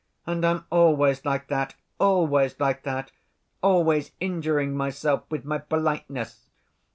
And I'm always like that, always like that. Always injuring myself with my politeness.